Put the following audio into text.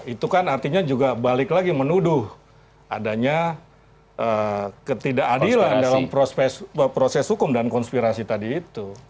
itu kan artinya juga balik lagi menuduh adanya ketidakadilan dalam proses hukum dan konspirasi tadi itu